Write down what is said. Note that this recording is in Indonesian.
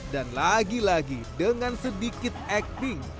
dan lagi lagi dengan sedikit acting